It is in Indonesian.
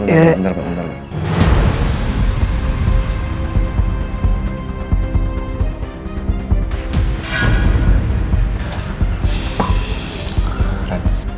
sebentar pak sebentar